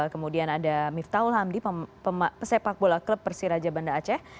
kemudian ada miftahul hamdi pesepak bola klub persiraja banda aceh